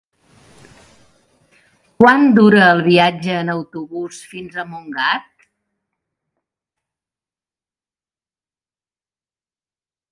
Quant dura el viatge en autobús fins a Montgat?